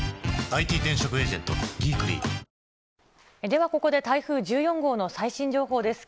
ではここで台風１４号の最新情報です。